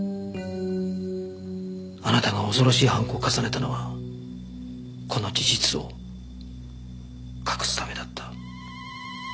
あなたが恐ろしい犯行を重ねたのはこの事実を隠すためだった。